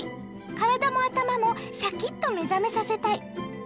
体も頭もシャキッと目覚めさせたい。